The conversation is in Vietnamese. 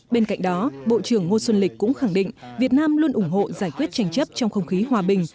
bên cạnh đó bộ trưởng ngô xuân lịch cũng khẳng định việt nam luôn ủng hộ giải quyết tranh chấp trong không khí hòa bình